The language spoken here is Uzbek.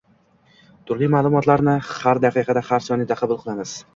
Turli ma`lumotlarni har daqiqada, har soniyada qabul qilamiz